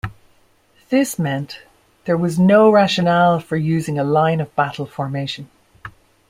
This meant there was no rationale for using a line-of-battle formation.